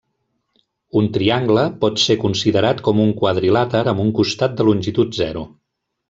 Un triangle pot ser considerat com un quadrilàter amb un costat de longitud zero.